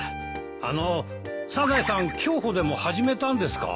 あのサザエさん競歩でも始めたんですか？